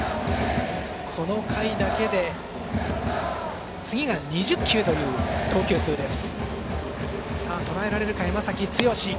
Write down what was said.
この回だけで２０球という投球数です。